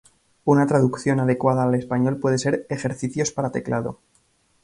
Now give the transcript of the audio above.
Una traducción adecuada al español puede ser "Ejercicios para teclado".